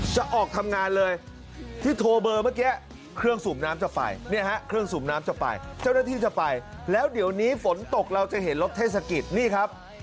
จะออกทำงานเลยที่โทรเบอร์เมื่อกี้เครื่องสูบน้ำจะไปเนี่ยฮะเครื่องสูบน้ำจะไปเจ้าหน้าที่จะไปแล้วเดี๋ยวนี้ฝนตกเราจะเห็นรถเทศกิจนี่ครับ